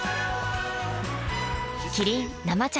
キリン「生茶」